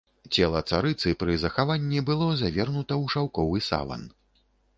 Цела царыцы пры захаванні было завернута ў шаўковы саван.